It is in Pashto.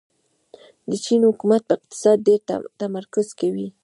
د چین حکومت په اقتصاد ډېر تمرکز کوي.